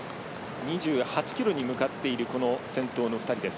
２８ｋｍに向かっている２人です。